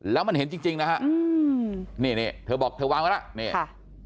แล้วมันเห็นจริงนะฮะนี่เธอบอกเธอวางไว้แล้วค่ะ